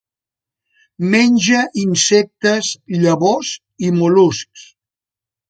Menja insectes, llavors i mol·luscs.